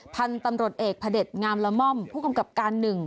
ทันตำรวจเอกพระเด็จงามลม่อมผู้กำกับการหนึ่ง